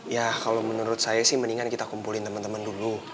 ya kalau menurut saya sih mendingan kita kumpulin teman teman dulu